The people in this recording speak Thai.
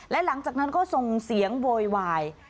และหลังจากนั้นก็ส่งเสียงโวยวาย